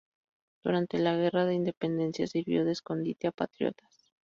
Durante la guerra de independencia sirvió de escondite a patriotas.